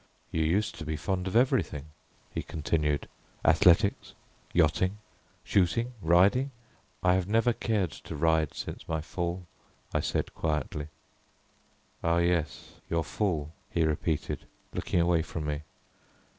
"You used to be fond of everything," he continued; "athletics, yachting, shooting, riding " "I have never cared to ride since my fall," I said quietly. "Ah, yes, your fall," he repeated, looking away from me.